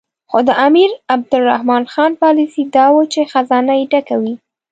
خو د امیر عبدالرحمن خان پالیسي دا وه چې خزانه یې ډکه وي.